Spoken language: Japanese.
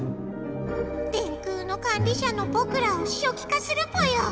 電空の管理しゃのぼくらをしょきかするぽよ。